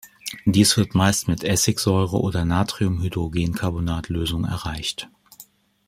Dies wird meist mit Essigsäure oder Natriumhydrogencarbonat-Lösung erreicht.